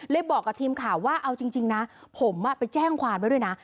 บอกกับทีมข่าวว่าเอาจริงนะผมไปแจ้งความไว้ด้วยนะ